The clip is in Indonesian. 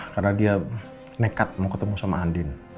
karena dia nekat mau ketemu sama andin